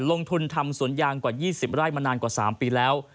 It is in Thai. ลงทุนทำสวนยางกว่า๒๐ไร่มานานกว่า๓ปีแล้ว